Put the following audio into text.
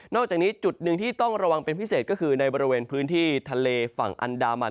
อกจากนี้จุดหนึ่งที่ต้องระวังเป็นพิเศษก็คือในบริเวณพื้นที่ทะเลฝั่งอันดามัน